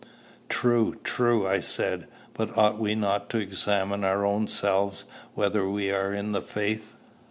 "True, true," I said; "but ought we not to examine our own selves whether we are in the faith?"